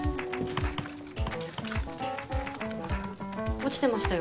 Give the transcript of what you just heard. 落ちてましたよ。